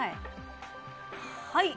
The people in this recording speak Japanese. はい。